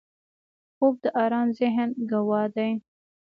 خوب د آرام ذهن ګواه دی